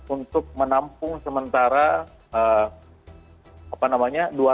untuk menampung sementara dua ratus empat belas anjing yang tersisa